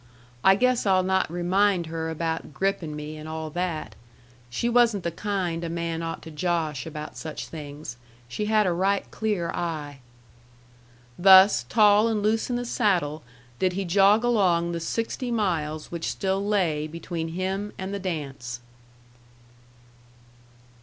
I guess I'll not remind her about grippin' me, and all that. She wasn't the kind a man ought to josh about such things. She had a right clear eye." Thus, tall and loose in the saddle, did he jog along the sixty miles which still lay between him and the dance.